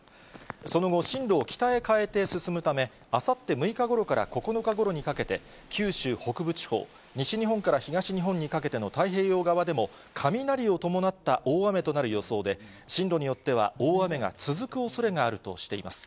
その後、進路を北へ変えて進むため、あさって６日ごろから９日ごろにかけて、九州北部地方、西日本から東日本にかけての太平洋側でも、雷を伴った大雨となる予想で、進路によっては大雨が続くおそれがあるとしています。